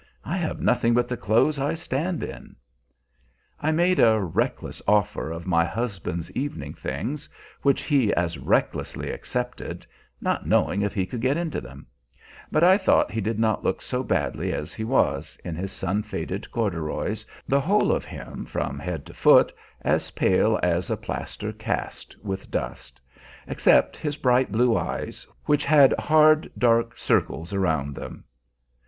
I have nothing but the clothes I stand in." I made a reckless offer of my husband's evening things, which he as recklessly accepted, not knowing if he could get into them; but I thought he did not look so badly as he was, in his sun faded corduroys, the whole of him from head to foot as pale as a plaster cast with dust, except his bright blue eyes, which had hard, dark circles around them.